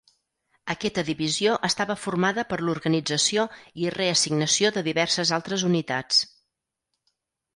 Aquesta divisió estava formada per l'organització i reassignació de diverses altres unitats.